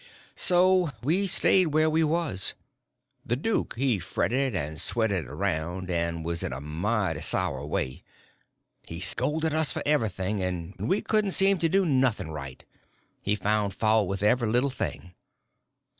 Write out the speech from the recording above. So we stayed where we was. The duke he fretted and sweated around, and was in a mighty sour way. He scolded us for everything, and we couldn't seem to do nothing right; he found fault with every little thing.